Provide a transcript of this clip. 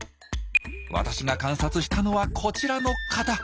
私が観察したのはこちらの方。